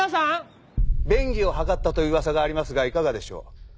便宜を図ったという噂がありますがいかがでしょう？